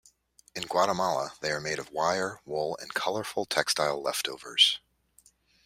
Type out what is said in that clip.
In Guatemala, they are made of wire, wool and colorful textile leftovers.